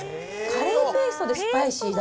カレーペーストでスパイシーだ。